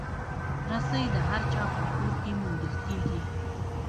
رسۍ د هر چا په کور کې موندل کېږي.